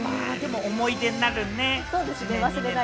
思い出になるね。